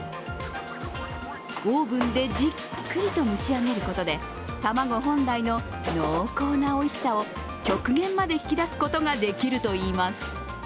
オーブンでじっくりと蒸し上げることで、たまご本来の濃厚なおいしさを極限まで引き出すことができるといいます。